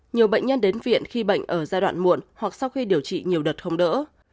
nhiều bệnh nhân đến viện khi bệnh ở giai đoạn muộn hoặc sau khi điều trị nhiều đợt không đỡ